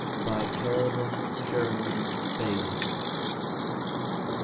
BY CAROLYN SHERWIN BAILEY.